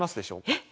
えっ？